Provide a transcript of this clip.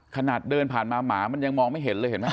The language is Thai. ขนาดเดินผ่านมาหมามันยังมองไม่เห็นเลยเห็นไหม